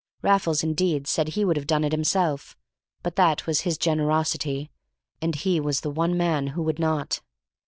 Raffles, indeed, said he would have done it himself, but that was his generosity, and he was the one man who would not.